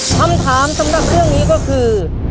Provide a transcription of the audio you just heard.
คำถามสำหรับเรื่องนี้ก็คือ